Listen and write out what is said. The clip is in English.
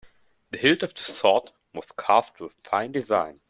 The hilt of the sword was carved with fine designs.